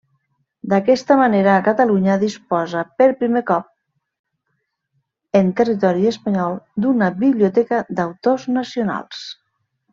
D'aquesta manera Catalunya disposa per primer cop en territori espanyol d'una biblioteca d'autors nacionals.